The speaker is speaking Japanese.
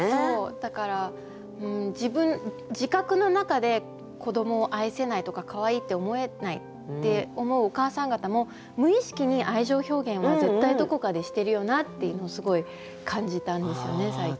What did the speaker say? だから自覚の中で子どもを愛せないとかかわいいって思えないって思うお母さん方も無意識に愛情表現は絶対どこかでしてるよなっていうのをすごい感じたんですよね最近。